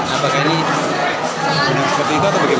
apakah ini benar seperti itu atau bagaimana